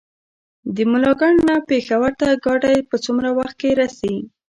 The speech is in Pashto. د ملاکنډ نه پېښور ته ګاډی په څومره وخت کې رسي؟